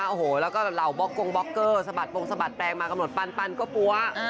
โอ้โหแล้วก็เหล่าบล็อกกงบล็อกเกอร์สะบัดปงสะบัดแปลงมากำหนดปันก็ปั๊ว